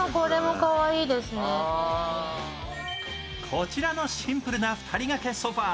こちらのシンプルな２人がけソファー。